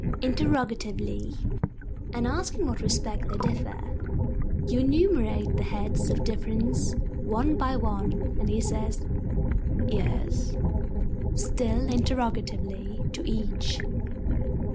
(interrogatively), and asks in what respect they differ. You enumerate the heads of difference, one by one, and he says 'Yes?' (still interrogatively) to each.